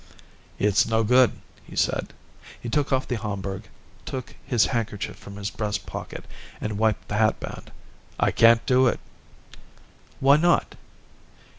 "It's no good," he said. He took off the Homburg, took his handkerchief from his breast pocket, and wiped the hatband. "I can't do it." "Why not?"